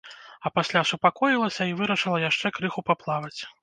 А пасля супакоілася і вырашыла яшчэ крыху паплаваць.